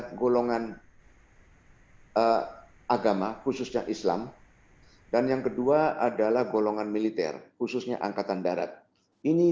ke golongan agama khususnya islam dan yang kedua adalah golongan militer khususnya angkatan darat ini